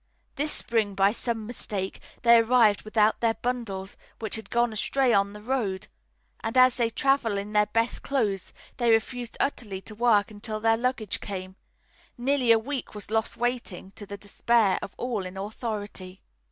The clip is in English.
This spring, by some mistake, they arrived without their bundles, which had gone astray on the road, and, as they travel in their best clothes, they refused utterly to work until their luggage came. Nearly a week was lost waiting, to the despair of all in authority.